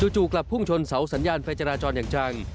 จู่กลับพุ่งชนเสาสัญญาณไฟจราจรอย่างจัง